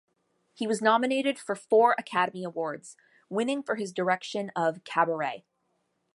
He was nominated for four Academy Awards, winning for his direction of "Cabaret".